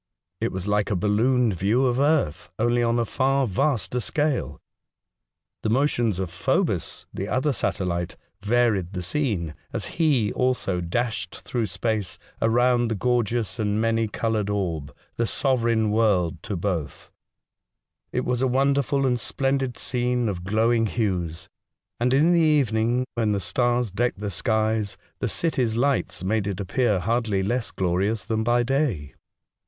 It was like a balloon view of earth, only on a far vaster scale. The motions of Phobus, the other satellite, varied the scene as he also dashed through space 158 A Voyage to Other Worlds. ' around the gorgeous and many coloured orb — the sovereign world to both. It was a wonder fijl and splendid scene of glowing hues, and in the evening, when the stars decked the sky, the cities' lights made it appear hardly less glorious than by day.